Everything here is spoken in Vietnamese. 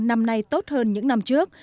năm nay tốt hơn những năm trước